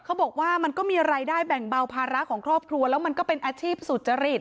เขาบอกว่ามันก็มีรายได้แบ่งเบาภาระของครอบครัวแล้วมันก็เป็นอาชีพสุจริต